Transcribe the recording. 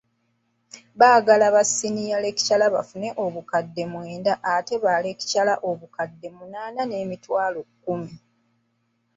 Baagala ba siniya lecturer bafune obukadde mwenda ate ba lecturer obukadde munaana n'emitwalo kumi.